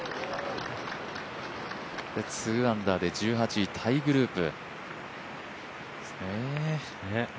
２アンダーで１８位タイグループ。